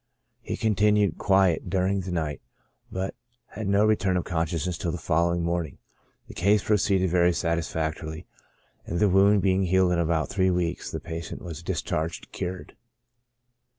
He continued quiet during the night, but had no return of consciousness till the following morning. The case proceeded very satisfactorily, and the wound being healed in about three weeks, the patient was discharged cured."